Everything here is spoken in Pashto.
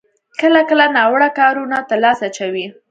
کله کله ناوړه کارونو ته لاس اچوي.